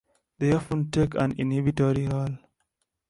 They often take an inhibitory role.